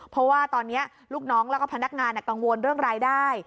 เพราะว่าตอนนี้ลูกน้องแล้วก็พนักงานกังวลเรื่องรายได้